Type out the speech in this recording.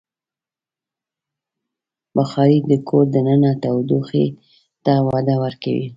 بخاري د کور دننه تودوخې ته وده ورکوي.